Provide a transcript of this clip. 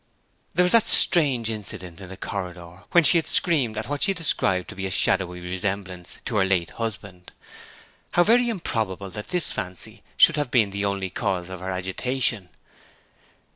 There was that strange incident in the corridor, when she had screamed at what she described to be a shadowy resemblance to her late husband; how very improbable that this fancy should have been the only cause of her agitation!